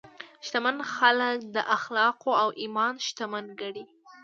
شتمن خلک د اخلاقو او ایمان شتمن ګڼي.